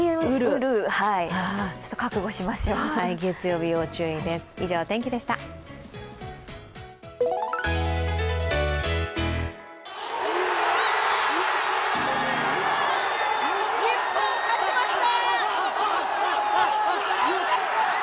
日本勝ちました！